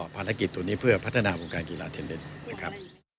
ภารกิจตัวนี้เพื่อพัฒนาวงการกีฬาเทนเนสนะครับ